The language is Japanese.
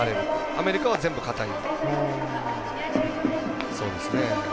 アメリカは全部、硬い。